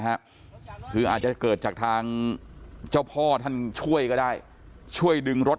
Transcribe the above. ฮะคืออาจจะเกิดจากทางเจ้าพ่อท่านช่วยก็ได้ช่วยดึงรถ